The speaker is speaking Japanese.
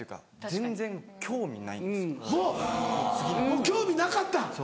もう興味なかった。